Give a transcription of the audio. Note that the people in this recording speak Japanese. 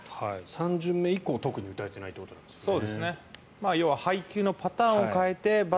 ３巡目以降特に打たれていないということなんですね。